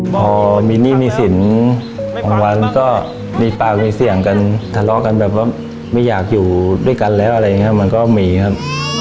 พอมีหนี้มีสินบางวันก็มีปากมีเสียงกันทะเลาะกันแบบว่าไม่อยากอยู่ด้วยกันแล้วอะไรอย่างนี้มันก็มีครับ